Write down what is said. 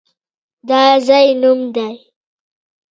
د ځای نوم دی!